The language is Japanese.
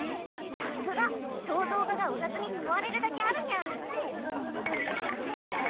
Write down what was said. さすが肖像画がお札に使われるだけあるにゃ。